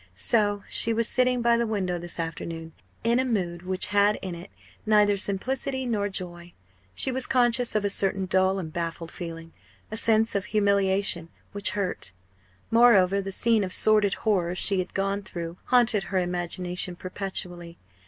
So she was sitting by the window this afternoon, in a mood which had in it neither simplicity nor joy. She was conscious of a certain dull and baffled feeling a sense of humiliation which hurt. Moreover, the scene of sordid horror she had gone through haunted her imagination perpetually.